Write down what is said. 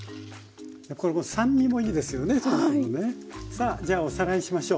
さあじゃあおさらいしましょう。